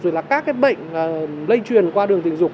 rồi là các cái bệnh lây truyền qua đường tình dục